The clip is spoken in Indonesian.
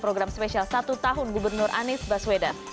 program spesial satu tahun gubernur anies baswedan